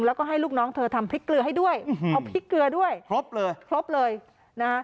แล้วก็ให้ลูกน้องเธอทำพริกเกลือให้ด้วยเอาพริกเกลือด้วยครบเลยครบเลยนะฮะ